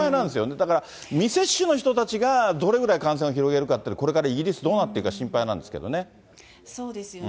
だから未接種の人たちが、どれぐらい感染を広げるかというのが、これからイギリスどうなっそうですよね。